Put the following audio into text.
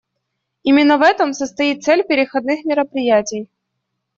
Именно в этом состоит цель переходных мероприятий.